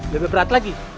bebek berat lagi